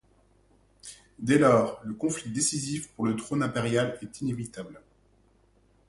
Dès lors, le conflit décisif pour le trône impérial est inévitable.